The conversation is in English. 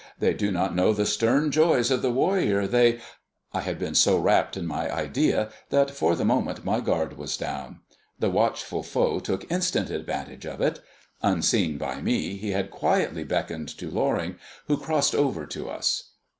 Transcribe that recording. They do not know the stern joys of the warrior, they " I had been so rapt in my idea that for the moment my guard was down. The watchful foe took instant advantage of it. Unseen by me, he had quietly beckoned to Loring, who crossed over to us.